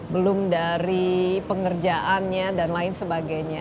belum dari pengerjaannya dan lain sebagainya